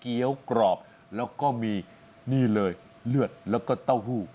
กรอบแล้วก็มีนี่เลยเลือดแล้วก็เต้าหู้